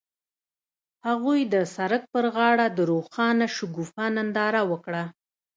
هغوی د سړک پر غاړه د روښانه شګوفه ننداره وکړه.